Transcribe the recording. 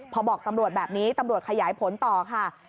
พอบอกตำรวจแบบนี้ตำรวจขยายผลต่อค่ะ